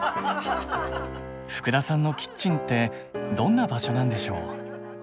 福田さんのキッチンってどんな場所なんでしょう？